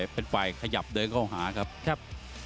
เป็นฝ่ายขยับเดินเข้าหาครับ